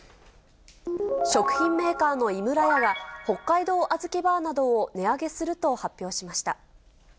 食品メーカーの井村屋は、北海道あずきバーなどを値上げすると発表しました。